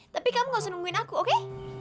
tapi kamu gak usah nungguin aku oke